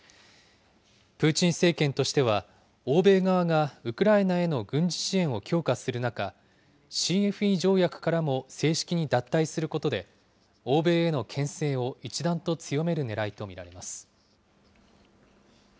プーチン政権としては、欧米側がウクライナへの軍事支援を強化する中、ＣＦＥ条約からも正式に脱退することで、欧米へのけん制を一段と強めるねらいと見られます。